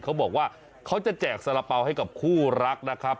เขาบอกว่าเขาจะแจกสาระเป๋าให้กับคู่รักนะครับ